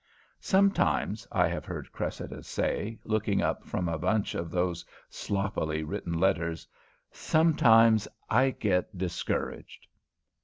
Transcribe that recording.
"Sometimes," I have heard Cressida say, looking up from a bunch of those sloppily written letters, "sometimes I get discouraged."